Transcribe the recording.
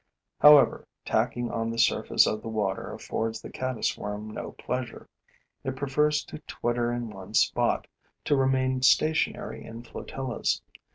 However, tacking on the surface of the water affords the caddis worm no pleasure. It prefers to twitter in one spot, to remain stationary in flotillas.